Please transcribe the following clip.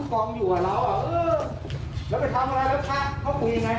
เอาไงเอาไงเอาไง